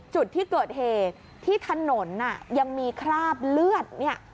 จุดที่เกิดเหตุที่ถนนน่ะยังมีคราบเลือดเนี่ย